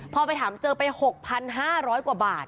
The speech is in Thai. พอไปถามเจอไป๖๕๐๐กว่าบาท